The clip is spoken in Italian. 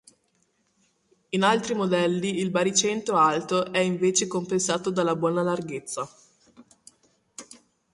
In altri modelli il baricentro alto è invece compensato dalla buona larghezza.